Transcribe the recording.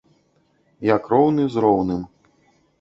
Як роўны з роўным.